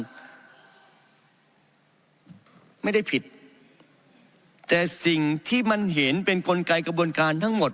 ไม่ได้ผิดแต่สิ่งที่มันเห็นเป็นกลไกกระบวนการทั้งหมด